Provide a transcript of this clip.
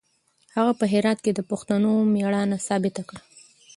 هغه په هرات کې د پښتنو مېړانه ثابته کړه.